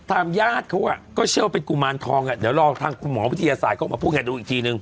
ญาติเขาก็เชื่อว่าเป็นกุมารทองอ่ะเดี๋ยวรอทางคุณหมอวิทยาศาสตร์เข้ามาพูดไงดูอีกทีนึง